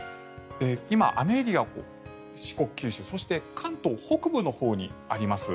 今、雨エリア四国、九州そして関東北部のほうにあります。